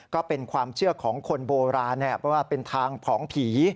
ก็เป็นความเชื่อของคนโบราณเพราะว่าเป็นทางผองผี